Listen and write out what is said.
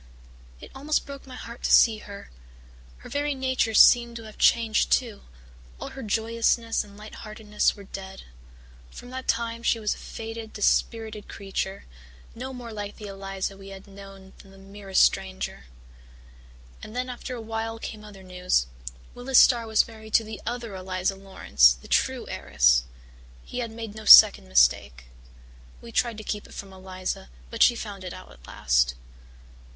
It almost broke my heart to see her. Her very nature seemed to have changed too all her joyousness and light heartedness were dead. From that time she was a faded, dispirited creature, no more like the Eliza we had known than the merest stranger. And then after a while came other news Willis Starr was married to the other Eliza Laurance, the true heiress. He had made no second mistake. We tried to keep it from Eliza but she found it out at last.